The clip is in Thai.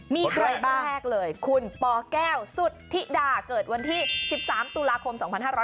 มีใครบ้างแรกเลยคุณปแก้วสุธิดาเกิดวันที่๑๓ตุลาคม๒๕๕๙